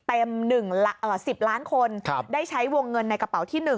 ๑๐ล้านคนได้ใช้วงเงินในกระเป๋าที่๑